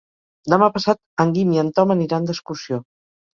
Demà passat en Guim i en Tom aniran d'excursió.